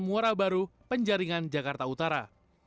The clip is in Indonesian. muara baru penjaringan jakarta utara